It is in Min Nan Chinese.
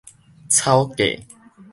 草鍥